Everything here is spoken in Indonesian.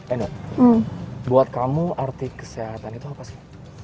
eno buat kamu arti kesehatan itu apa sih